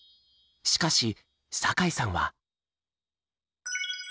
しかし酒井さんは。